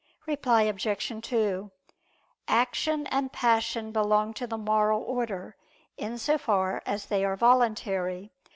Reply Obj. 2: Action and passion belong to the moral order, in so far as they are voluntary.